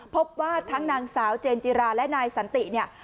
พบว่าทั้งนางสาวเจนจิราและนายสันติเนี่ย